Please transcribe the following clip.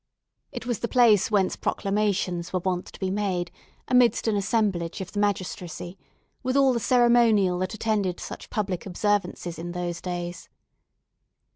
It was the place whence proclamations were wont to be made, amidst an assemblage of the magistracy, with all the ceremonial that attended such public observances in those days.